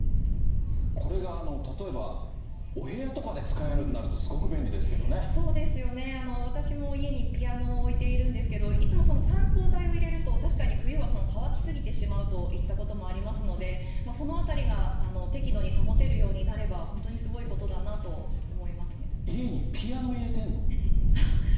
これが例えば、お部屋とかで使えるようになると、そうですよね、私も家にピアノを置いているんですけど、いつもその乾燥材を入れると確かに冬は乾きすぎてしまうといったこともありますので、そのあたりが適度に保てるようになれば本当家にピアノ入れてんの？